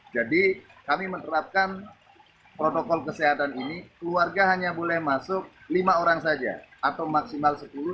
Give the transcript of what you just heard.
jadi kami menerapkan protokol kesehatan ini keluarga hanya boleh masuk lima orang saja atau maksimal sekitar